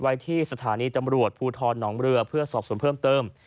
ไว้ที่สถานีตำรวจภูทรหนองเรือเพื่อสอบส่วนเพิ่มเติม